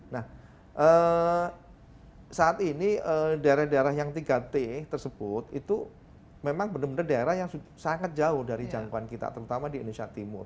nah saat ini daerah daerah yang tiga t tersebut itu memang benar benar daerah yang sangat jauh dari jangkauan kita terutama di indonesia timur